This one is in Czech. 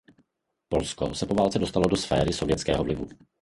Polsko se po válce dostalo do sovětské sféry vlivu.